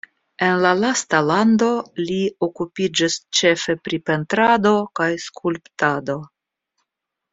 En la lasta lando li okupiĝis ĉefe pri pentrado kaj skulptado.